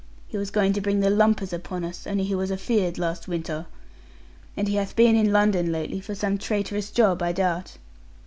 He was going to bring the lumpers upon us, only he was afeared, last winter. And he hath been in London lately, for some traitorous job, I doubt.'